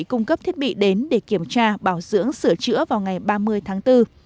cung cấp thiết bị đến để kiểm tra bảo dưỡng sửa chữa vào ngày ba mươi tháng bốn